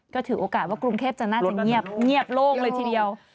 ก็ถือโอกาสว่ากรุงเทพจะน่าจะเงียบโล่งเลยทีเดียว